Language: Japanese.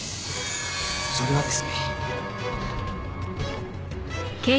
それはですね。